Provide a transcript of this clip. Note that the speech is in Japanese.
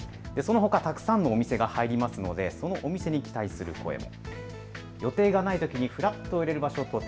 たくさんのお店が入りますのでそのお店に期待する声も。